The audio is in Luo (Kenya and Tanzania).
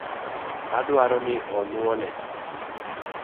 Odwaro ni onuo ne